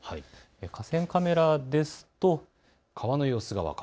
河川カメラですと川の様子が分かる。